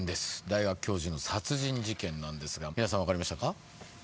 大学教授の殺人事件なんですが皆さんわかりましたか？